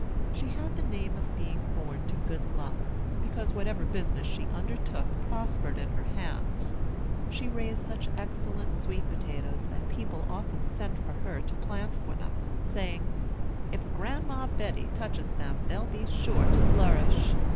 She had the name of being born to good luck, because whatever business she undertook prospered in her hands. She raised such excellent sweet potatoes that people often sent for her to plant for them, saying, "If Gran'ma Betty touches them they'll be sure to flourish."